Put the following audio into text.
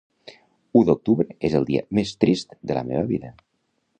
U d'Octubre és el dia més trist de la meva vida